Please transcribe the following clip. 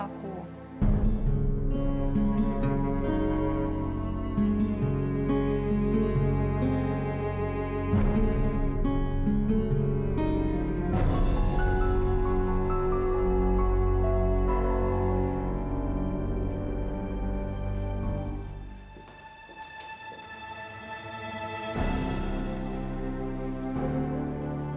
kamu mau ke rumah